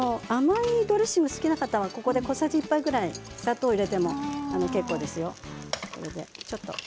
それから塩を少々甘いドレッシングが好きな方はここで小さじ１杯ぐらい砂糖を入れても結構ですよ。